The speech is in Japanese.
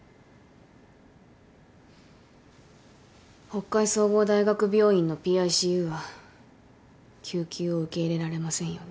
北海総合大学病院のＰＩＣＵは救急を受け入れられませんよね。